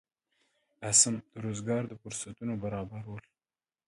لسم: د روزګار د فرصتونو برابرول.